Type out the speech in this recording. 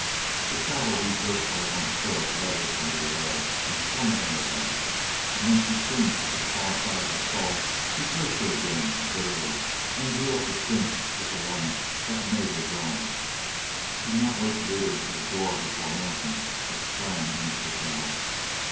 The saddle he jerked by one stirrup leather from the wall and flung it on her back, and when she cringed to the far side of the stall, he cursed her again, bitterly, and drew up the cinch with a lunge that made her groan. He did not wait to lead her to the door before mounting, but sprang into the saddle.